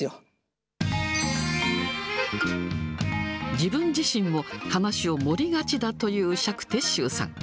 自分自身も話を盛りがちだという釈徹宗さん。